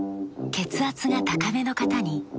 血圧が高めの方に。